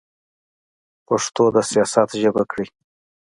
پښتو د سیاست ژبه کړئ.